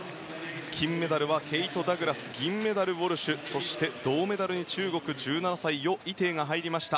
金メダルはケイト・ダグラス銀メダル、ウォルシュ銅メダル、中国の１７歳ヨ・イテイが入りました。